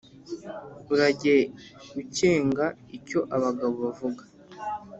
Urajye ukenga icyo abagabo bavuga".